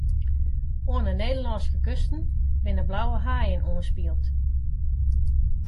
Oan 'e Nederlânske kusten binne blauwe haaien oanspield.